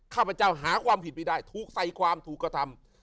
ข้าพเจ้าหาความผิดไม่ได้ถูกใส่ความถูกกระทำ